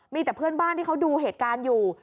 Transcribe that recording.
มีแต่เพื่อนบ้านที่เขาดูเหตุการณ์อยู่